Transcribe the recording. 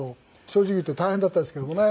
正直言うと大変だったんですけどもね。